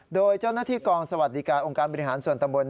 โดยเจ้าหน้าที่กองสวัสดิการองค์การบริหารส่วนตำบล